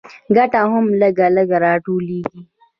ګټه هم لږ لږ راټولېږي